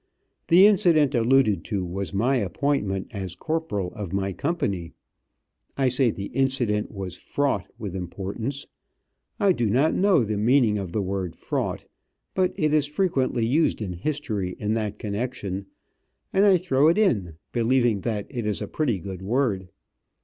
The incident alluded to was my appointment as corporal of my company. I say the incident was "fraught" with importance. I do not know the meaning of the word fraught, but it is frequently used in history in that connection, and I throw it in, believing that it is a pretty good word.